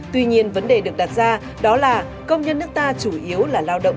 tuy nhiên vấn đề được đặt ra đó là công nhân nước ta chủ yếu là lao động